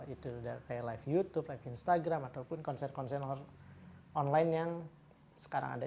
itu udah kayak live youtube live instagram ataupun konser konser online yang sekarang ada